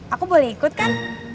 aku boleh ikut kan